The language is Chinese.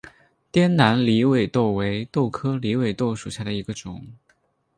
滇南狸尾豆为豆科狸尾豆属下的一个种。